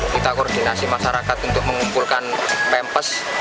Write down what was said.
kita koordinasi masyarakat untuk mengumpulkan pempes